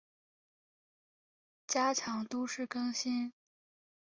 加强都市更新